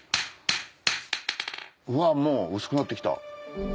うわもう薄くなってきた。